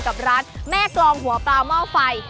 กับร้านแม่กรองหัวปลาหม้อไฟ